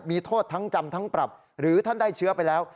มีโทษทั้งจำทั้งปรับหรือท่านได้เชื้อไปแล้ว